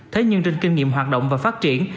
thế nhưng trên kinh nghiệm hoạt động và phát triển